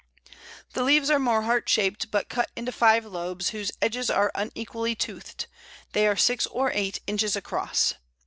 The leaves are more heart shaped, but cut into five lobes, whose edges are unequally toothed; they are six or eight inches across.